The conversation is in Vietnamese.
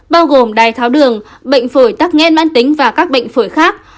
bao gồm đài tháo đường bệnh phổi tắc nghen bán tính và các bệnh phổi khác